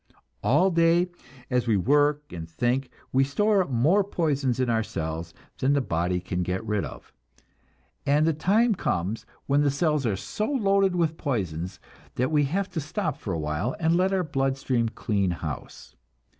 All day, as we work and think, we store up more poisons in our cells than the body can get rid of, and the time comes when the cells are so loaded with poisons that we have to stop for a while, and let our blood stream clean house.